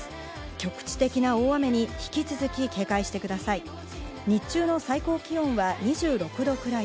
局地的な大雨に引き続き警戒してください。